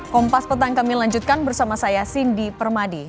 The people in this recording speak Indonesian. kompas petang kami lanjutkan bersama saya cindy permadi